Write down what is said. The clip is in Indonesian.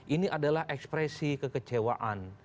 ini adalah ekspresi kekecewaan